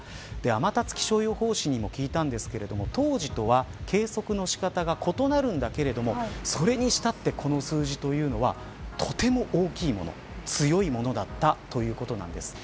天達気象予報士にも聞いたんですが当時は計測の仕方が異なるんだけれどもそれにしたってこの数字というのはとても大きいもの強いものだったということです。